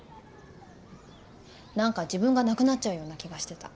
何か自分がなくなっちゃうような気がしてた。